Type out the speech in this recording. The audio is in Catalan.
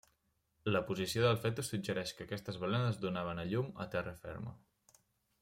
La posició del fetus suggereix que aquestes balenes donaven a llum a terra ferma.